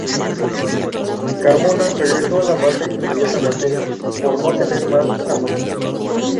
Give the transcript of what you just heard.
Carmona regresó a la base inmediatamente por no tener más armamento.